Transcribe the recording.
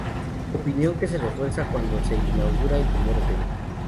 Opinión que se refuerza cuando se inaugura el primer hotel.